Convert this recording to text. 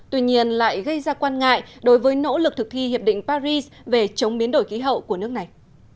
tuy nhiên lại gây ra quan ngại đối với nỗ lực thực thi hiệp định paris về chống biến đổi khí hậu của nước này